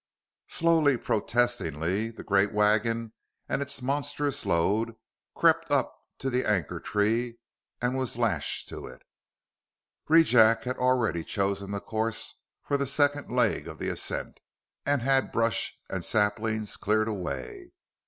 Slowly, protestingly, the great wagon and its monstrous load crept up to the anchor tree and was lashed to it. Rejack had already chosen the course for the second leg of the ascent and had had brush and saplings cleared away.